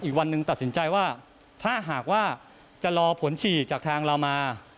อีกวันหนึ่งตัดสินใจว่าถ้าหากว่าจะรอผลฉีดจากทางเรามา